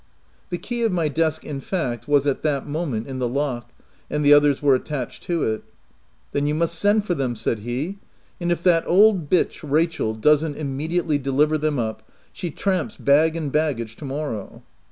The key of my desk, in fact, was, at that moment, in the lock, and the others were attached to it. " Then you must send for them," said he ; "and if that old bitch, Rachel, doesn't imme diately deliver them up, she tramps bag and baggage to morrow."